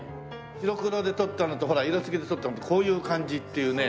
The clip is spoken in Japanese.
白黒で撮ったのとほら色付きで撮ったのってこういう感じっていうね。